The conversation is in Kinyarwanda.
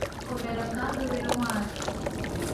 komera kandi ube intwari